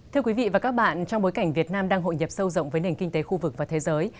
thưa quý vị và các bạn trong bối cảnh việt nam đang hội nhập sâu rộng với nền kinh tế khu vực và thế giới